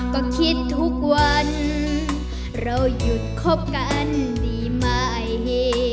ก็คิดทุกวันเราหยุดคบกันดีไหม